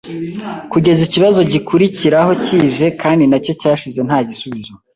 kugeza ikibazo gikurikiraho kije kandi nacyo cyashize nta gisubizo.